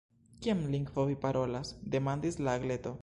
“Kian lingvon vi parolas?” demandis la Agleto.